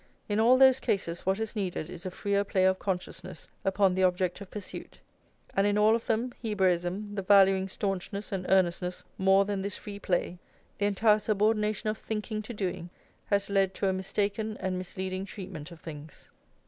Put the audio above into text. In all those cases what is needed is a freer play of consciousness upon the object of pursuit; and in all of them Hebraism, the valuing staunchness and earnestness more than this free play, the entire subordination of thinking to doing, has led to a mistaken and misleading treatment of things.